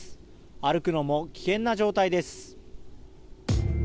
歩くのも危険な状態です。